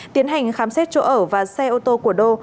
tiến hành khám xét chỗ ở và xe ô tô của đô